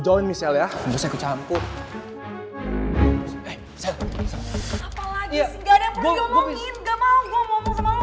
apalagi sih gaada yang perlu diomongin ga mau gue omongin sama lo